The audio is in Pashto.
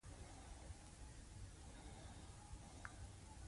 د عاجزي په خلاف روش دروغجنه لويي ده.